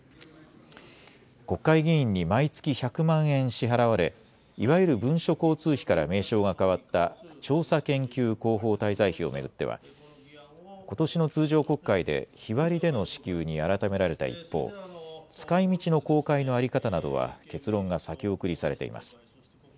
国会議員に毎月１００万円支払われ、いわゆる文書交通費から名称が変わった調査研究広報滞在費を巡ってはことしの通常国会で日割りでの支給に改められた一方、使いみちの公開の在り方などは結論が先送りされています。